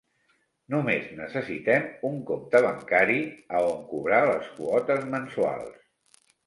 Només necessitem un compte bancari a on cobrar les quotes mensuals.